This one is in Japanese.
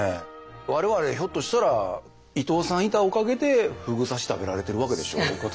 我々ひょっとしたら伊藤さんいたおかげでふぐ刺し食べられてるわけでしょ。